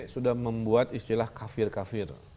sudah membuat istilah kafir kafir